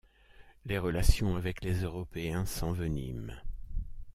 Les relations avec les Européens s'enveniment.